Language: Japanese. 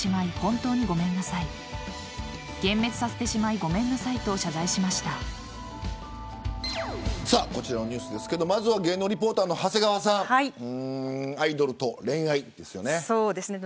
「ニベアメンアクティブエイジ」集中ケアもこちらのニュースですけどまずは芸能リポーターの長谷川さんアイドルと恋愛ですよね。